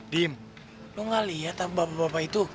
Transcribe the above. dim lo gak lihat bapak bapak itu